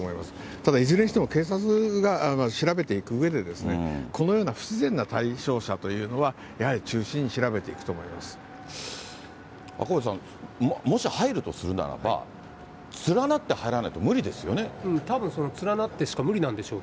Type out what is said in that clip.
ただいずれにしても警察が調べていくうえで、このような不自然なたいしょうしゃというのは、やはり中心に調べ赤星さん、もし入るとするならば、連なって入らないと無理ですよね。